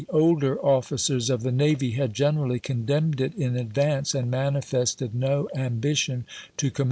older officers of the navy had generally condemned ^^wout".''' it in advance and manifested no ambition to com '"^wi!